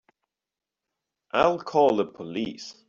I'll call the police.